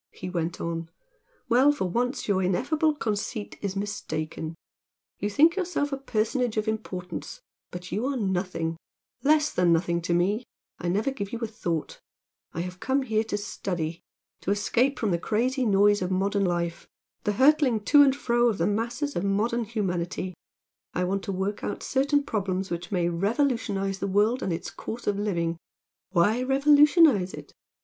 he went on "Well for once your ineffable conceit is mistaken. You think yourself a personage of importance but you are nothing, less than nothing to me, I never give you a thought I have come here to study to escape from the crazy noise of modern life the hurtling to and fro of the masses of modern humanity, I want to work out certain problems which may revolutionise the world and its course of living " "Why revolutionise it?"